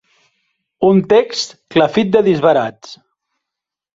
Un text clafit de disbarats.